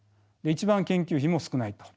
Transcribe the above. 一番研究費も少ないと。